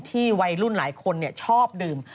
วัยรุ่นหลายคนชอบดื่ม